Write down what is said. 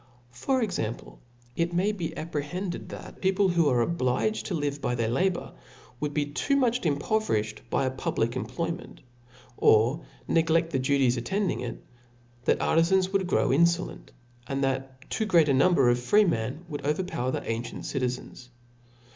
JPor example, it may be appj^^hedded thltt peopibs wh(> ar^ obligol to live by their labour, would be too.n>VKh.inppo vcrithed by a public employment, or negloft ^ duties attending if ; that artifans vould grow; in folent; and that too great apui^jber of freemen would overpower the anqient citizens.